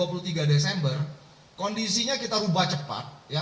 hari itu kita sudah memperlakukan dengan tiga kategori layanan untuk pemberlakuan